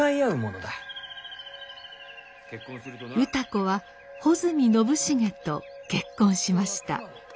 歌子は穂積陳重と結婚しました。